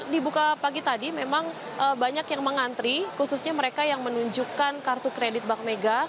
dibuka pagi tadi memang banyak yang mengantri khususnya mereka yang menunjukkan kartu kredit bank mega